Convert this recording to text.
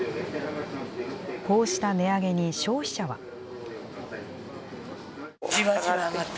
こうした値上げに消費者は。